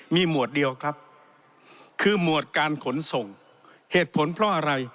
มีหมวดเดียวครับคือหมวดการขนส่งเหตุผลเพราะอะไร